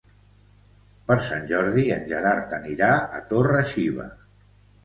Per Sant Jordi en Gerard anirà a Torre-xiva.